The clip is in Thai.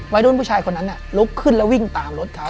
วัยรุ่นผู้ชายคนนั้นลุกขึ้นแล้ววิ่งตามรถเขา